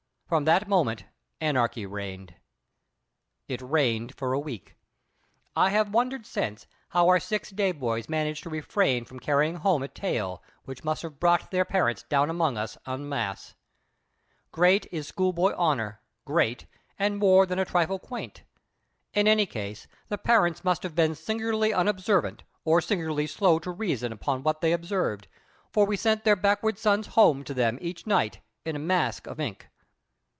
From that moment anarchy reigned. It reigned for a week. I have wondered since how our six day boys managed to refrain from carrying home a tale which must have brought their parents down upon us en masse. Great is schoolboy honour great, and more than a trifle quaint. In any case, the parents must have been singularly unobservant or singularly slow to reason upon what they observed; for we sent their backward sons home to them each night in a mask of ink.